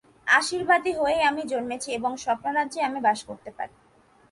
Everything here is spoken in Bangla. আদর্শবাদী হয়েই আমি জন্মেছি এবং স্বপ্নরাজ্যেই আমি বাস করতে পারি।